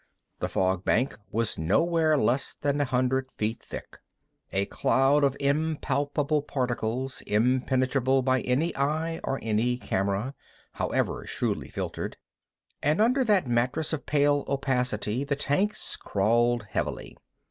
The fog bank was nowhere less than a hundred feet thick—a cloud of impalpable particles impenetrable to any eye or any camera, however shrewdly filtered. And under that mattress of pale opacity the tanks crawled heavily.